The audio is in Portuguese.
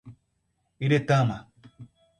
Iretama